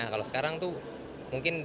kalau sekarang tuh mungkin